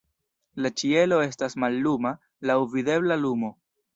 La ĉielo estas malluma, laŭ videbla lumo.